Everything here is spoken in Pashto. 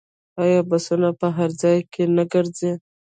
آیا بسونه په هر ځای کې نه ګرځي؟